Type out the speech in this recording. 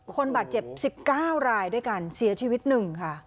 คนบาดเจ็บ๑๙รายด้วยกันเสียชีวิต๑ค่ะ